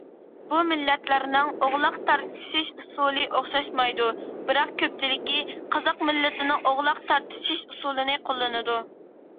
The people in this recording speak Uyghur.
بۇ مىللەتلەرنىڭ« ئوغلاق تارتىشىش» ئۇسۇلى ئوخشاشمايدۇ، بىراق كۆپچىلىكى قازاق مىللىتىنىڭ« ئوغلاق تارتىشىش» ئۇسۇلىنى قوللىنىدۇ.